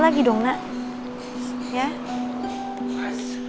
udah ini aja yang dihukum